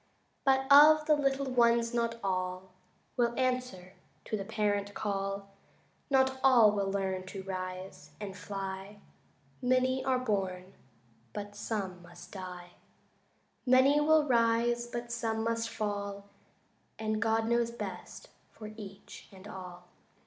But of the little ones not all Will answer to the parent call, Not all will learn to rise and fly Many are born, but some must die; Many will rise, but some must fall, And God knows best for each and all.